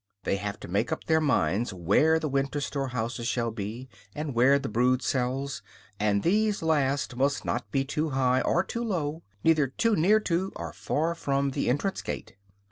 They have to make up their minds where the winter storehouses shall be, and where the brood cells; and these last must not be too high or too low, neither too near to or far from the entrance gate.